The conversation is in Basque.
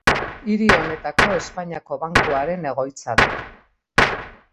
Hiri honetako Espainiako Bankuaren egoitza da.